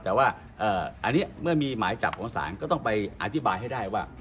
แต่ว่าอันนี้เมื่อมีหมายจับของศาลก็ต้องไปอธิบายให้ได้ว่า